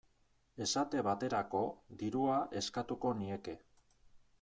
Esate baterako, dirua eskatuko nieke.